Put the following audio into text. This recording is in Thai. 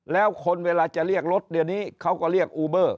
แล้วคนเวลาจะเรียกรถเดี๋ยวนี้เขาก็เรียกอูเบอร์